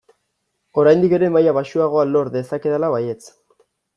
Oraindik ere maila baxuagoa lor dezakedala baietz!